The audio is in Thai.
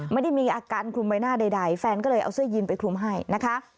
ไม่ได้มีอาการคลุมใบหน้าใดแฟนก็เลยเอาเสื้อยีนไปคลุมให้นะคะ